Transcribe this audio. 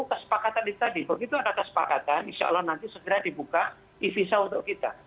kesepakatan itu tadi begitu ada kesepakatan insya allah nanti segera dibuka e visa untuk kita